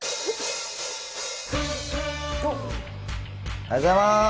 おはようございます。